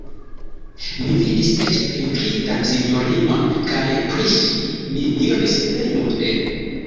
Mi vidis eĉ pentritan sinjorinon, kaj pri ŝi mi miris plej multe.